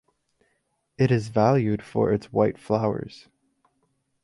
It is valued for its white flowers.